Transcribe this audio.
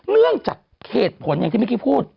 เนื่องจากเหตุผลที่มิกคี่พูด